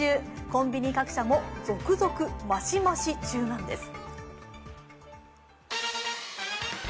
コンビニ各社も続々マシマシ中なんです。